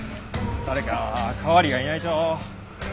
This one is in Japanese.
誰か代わりがいないと。